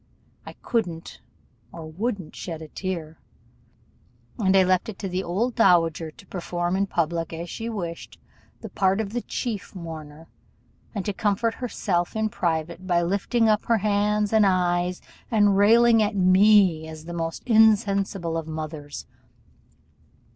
I couldn't or wouldn't shed a tear; and I left it to the old dowager to perform in public, as she wished, the part of chief mourner, and to comfort herself in private by lifting up her hands and eyes, and railing at me as the most insensible of mothers.